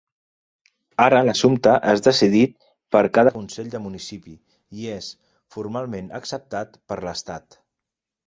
Ara l'assumpte és decidit per cada consell de municipi i és formalment acceptat per l'estat.